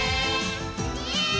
イエーイ！